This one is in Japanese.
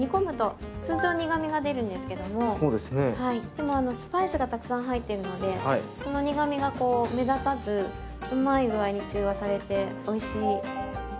でもスパイスがたくさん入っているのでその苦みがこう目立たずうまいぐあいに中和されておいしい。